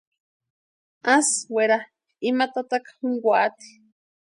Asï wera ima tataka junkwaati.